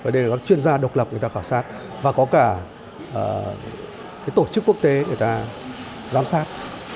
đây là các chuyên gia độc lập người ta khảo sát và có cả tổ chức quốc tế người ta giám sát